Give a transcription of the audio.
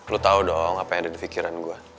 lo tau dong apa yang ada di pikiran gue